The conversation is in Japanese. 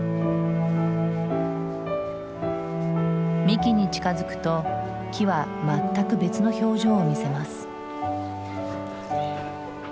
幹に近づくと木は全く別の表情を見せます。